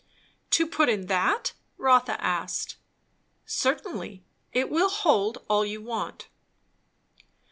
"To put in that?" Rotha asked. "Certainly. It will hold all you want."